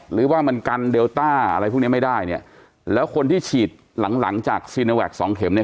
หรือว่ามันกันเดลต้าอะไรพวกเนี้ยไม่ได้เนี่ยแล้วคนที่ฉีดหลังหลังจากซีโนแวคสองเข็มเนี่ย